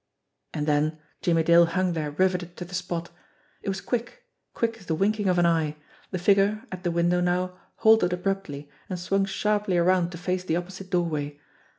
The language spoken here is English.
And then Jimmie Dale hung there riveted to the spot. It was quick quick as the winking of an eye. The figure, at the window now, halted abruptly, and swung sharply around to face the opposite doorway.